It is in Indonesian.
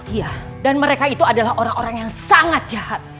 iya dan mereka itu adalah orang orang yang sangat jahat